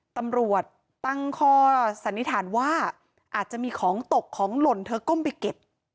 ตำรวจตั้งข้อสันนิษฐานว่าอาจจะมีของตกของหล่นเธอก้มไปเก็บ